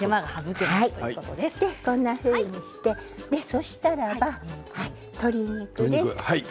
こんなふうにしてそうしたら鶏肉です。